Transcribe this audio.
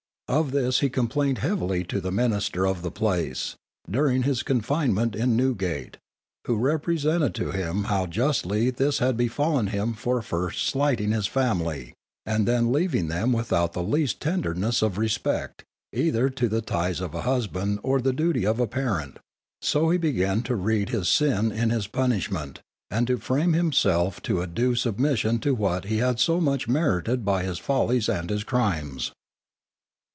Of this he complained heavily to the minister of the place, during his confinement in Newgate, who represented to him how justly this had befallen him for first slighting his family, and leaving them without the least tenderness of respect, either to the ties of a husband, or the duty of a parent; so he began to read his sin in his punishment, and to frame himself to a due submission to what he had so much merited by his follies and his crimes.